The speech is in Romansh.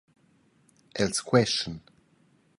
Els queschan.